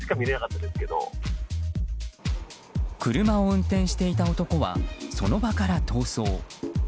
車を運転していた男はその場から逃走。